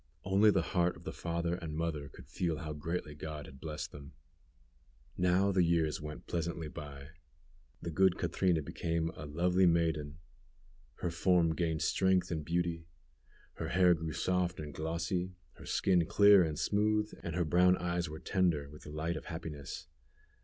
Only the heart of the father and mother could feel how greatly God had blessed them. Now the years went pleasantly by. The good Catrina become a lovely maiden. Her form gained strength and beauty. Her hair grew soft and glossy; her skin clear and smooth, and her brown eyes were tender with the light of happiness.